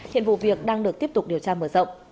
hiện vụ việc đang được tiếp tục điều tra mở rộng